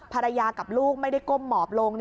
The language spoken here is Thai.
ภรรยากับลูกไม่ได้ก้มหมอบลง